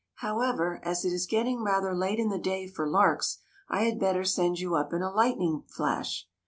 How ever, as it is getting rather late in the day for larks, I had better send you up in a lightning flash.